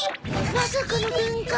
まさかの展開。